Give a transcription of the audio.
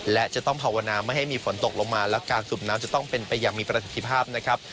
และจะต้องภาวนาไม่ให้มีฝนตกลงมาและการสูบน้ำจะต้องเป็นไปอย่างมีประสิทธิภาพนะครับ